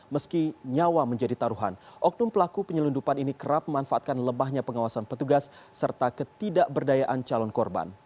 meski nyawa menjadi taruhan oknum pelaku penyelundupan ini kerap memanfaatkan lemahnya pengawasan petugas serta ketidakberdayaan calon korban